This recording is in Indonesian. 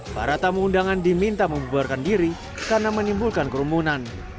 para tamu undangan diminta membuarkan diri karena menimbulkan kerumunan